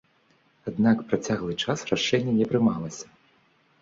Аднак працяглы час рашэнне не прымалася.